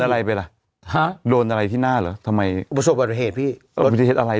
อะไรไปล่ะฮะโดนอะไรที่หน้าหรอทำไมประสบบทเขตพี่อะไร